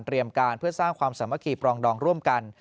เตรียมการเพื่อสร้างความสามารถปรองดองร่วมกัน